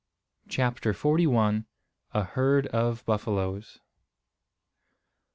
CHAPTER FORTY ONE. A HERD OF BUFFALOES.